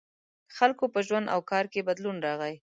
• د خلکو په ژوند او کار کې بدلون راغی.